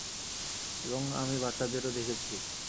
এবং আমি বাচ্চাদেরও দেখেছি।